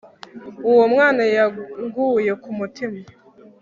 uwo mwana yanguye ku mutima